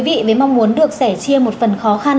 với mong muốn được sẻ chia một phần khó khăn